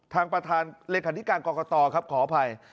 ทางประธานเลขาธิการกรกตครับขออภัย